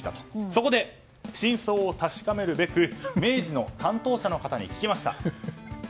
そこで真相を確かめるべく明治の担当者の方に聞きました。